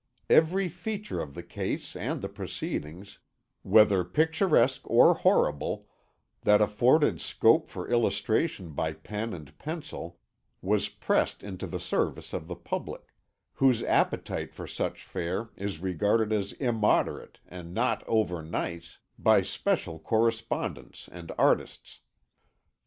Every feature of the case and the proceedings, whether picturesque or horrible, that afforded scope for illustration by pen and pencil was pressed into the service of the public whose appetite for such fare is regarded as immoderate and not over nice by special correspondents and artists.